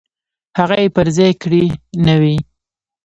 هغه یې پر ځای کړې نه وي.